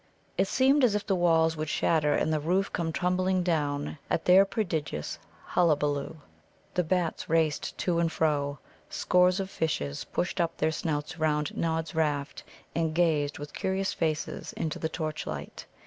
It seemed as if the walls would shatter and the roof come tumbling down at their prodigious hullabaloo. The bats raced to and fro. Scores of fishes pushed up their snouts round Nod's raft, and gazed with curious faces into the torchlight.